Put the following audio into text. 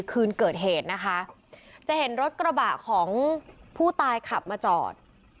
คืนเกิดเหตุนะคะจะเห็นรถกระบะของผู้ตายขับมาจอด